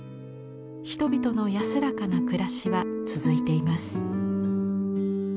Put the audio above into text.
人々の安らかな暮らしは続いています。